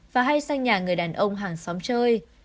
và hay sang nhà người đàn ông hàng xóm chơi